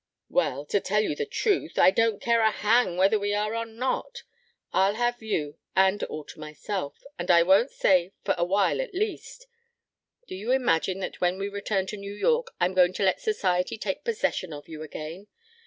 "Well, to tell you the truth, I don't care a hang whether we are or not. I'll have you, and all to myself. And I won't say 'for a while, at least.' Do you imagine that when we return to New York I'm going to let Society take possession of you again?